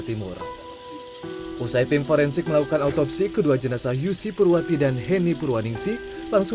timur usai tim forensik melakukan autopsi kedua jenazah yusi purwati dan heni purwaningsi langsung